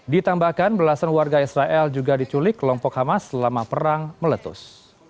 ditambahkan belasan warga israel juga diculik kelompok hamas selama perang meletus